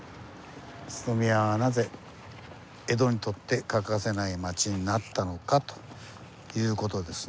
「宇都宮はなぜ江戸にとって欠かせない町になったのか？」という事ですね